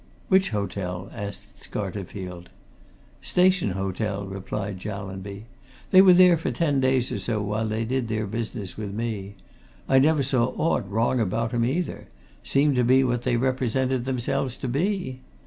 "Which hotel?" asked Scarterfield. "Station Hotel," replied Jallanby. "They were there for ten days or so, while they did their business with me. I never saw aught wrong about 'em either seemed to be what they represented themselves to be.